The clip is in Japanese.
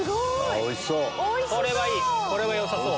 おいしそう！